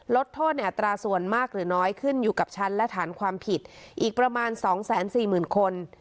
ลดโทษในอัตราส่วนมากหรือน้อยขึ้นอยู่กับชั้นและฐานความผิดอีกประมาณ๒๔๐๐๐คน